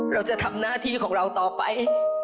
เราจะทำหน้าที่ของเราต่อไป